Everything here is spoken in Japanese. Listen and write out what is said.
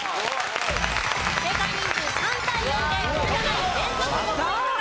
正解人数３対４で古田ナイン連続５ポイント獲得です。